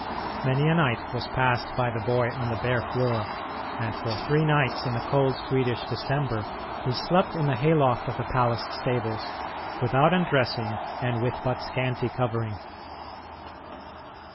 Many a night was passed by the boy on the bare floor, and for three nights in the cold Swedish December he slept in the hay loft of the palace stables, without undressing and with but scanty covering.